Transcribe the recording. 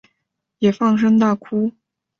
也放声大哭